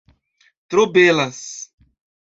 Tro belas